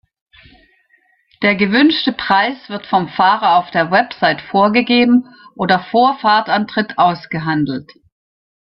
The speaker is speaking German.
Der gewünschte Preis wird vom Fahrer auf der Website vorgegeben oder vor Fahrtantritt ausgehandelt.